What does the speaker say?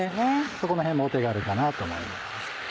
そこのへんもお手軽かなと思います。